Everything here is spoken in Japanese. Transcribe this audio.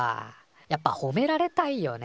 やっぱほめられたいよね。